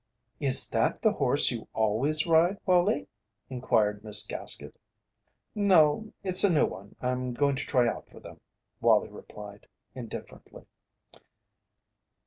"Is that the horse you always ride, Wallie?" inquired Miss Gaskett. "No; it's a new one I'm going to try out for them," Wallie replied, indifferently.